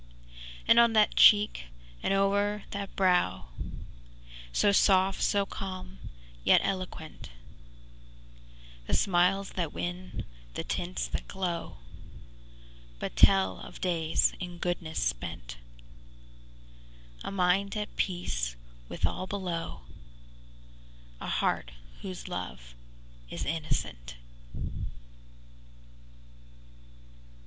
And on that cheek, and o'er that brow, So soft, so calm, yet eloquent, The smiles that win, the tints that glow, But tell of days in goodness spent,A mind at peace with all below,A heart whose love is innocent!